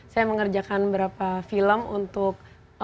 saya mengerjakan berapa film untuk